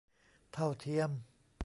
เท่าเทียม